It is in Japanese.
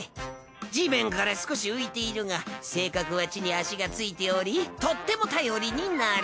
地面から少し浮いているが性格は地に足がついておりとっても頼りになる。